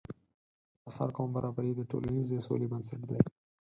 د هر قوم برابري د ټولنیزې سولې بنسټ دی.